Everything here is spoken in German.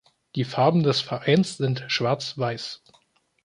Die Farben des Vereins sind Schwarz-Weiß.